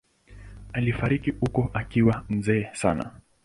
Alifariki huko akiwa mzee sana.